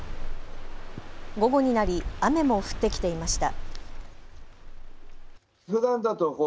午後になり雨も降ってきていました。